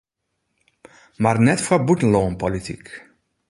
Mar net foar bûtenlânpolityk.